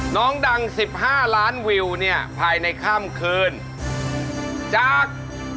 น้องดังสิบห้าล้านวิวภายในข้ามคืนจาก